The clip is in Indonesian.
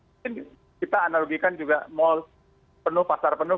mungkin kita analogikan juga mal penuh pasar penuh